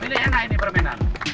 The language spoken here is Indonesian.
ini enak ini permainan